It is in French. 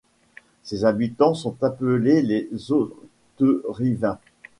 Ses habitants sont appelés les Auterivains.